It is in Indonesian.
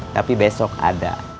tapi besok ada